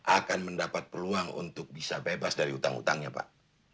akan mendapat peluang untuk bisa bebas dari utang utangnya pak